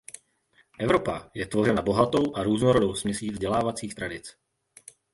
Evropa je tvořena bohatou a různorodou směsí vzdělávacích tradic.